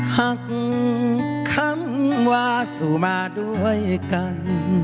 หักคำว่าสู่มาด้วยกัน